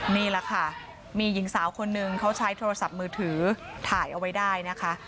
นี่แหละค่ะมีหญิงสาวคนนึงเขาใช้โทรศัพท์มือถือถ่ายเอาไว้ได้นะคะ